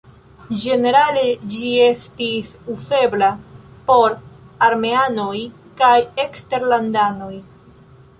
Ĝenerale ĝi estis uzebla por armeanoj kaj eksterlandanoj.